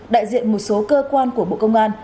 đại diện một số cơ quan của bộ công an